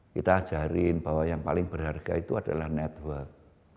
kita ajarin bahwa yang paling berharga itu adalah network